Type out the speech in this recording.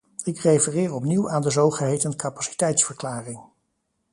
Ik refereer opnieuw aan de zogeheten capaciteitsverklaring.